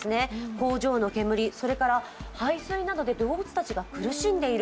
工場の煙、それから排水などで動物たちが苦しんでいる。